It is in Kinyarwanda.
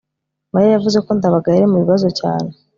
mariya yavuze ko ndabaga yari mu bibazo cyane